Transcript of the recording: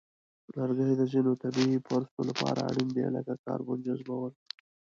لرګي د ځینو طبیعی پروسو لپاره اړین دي، لکه کاربن جذبول.